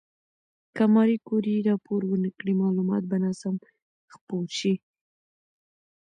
که ماري کوري راپور ونکړي، معلومات به ناسم خپور شي.